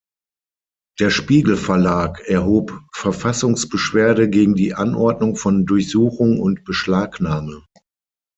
Der Spiegel-Verlag erhob Verfassungsbeschwerde gegen die Anordnung von Durchsuchung und Beschlagnahme.